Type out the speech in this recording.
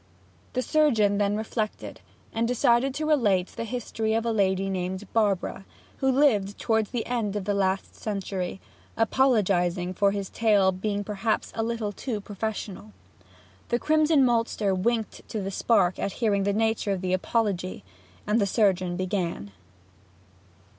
The surgeon then reflected, and decided to relate the history of a lady named Barbara, who lived towards the end of the last century, apologizing for his tale as being perhaps a little too professional. The crimson maltster winked to the Spark at hearing the nature of the apology, and the surgeon began.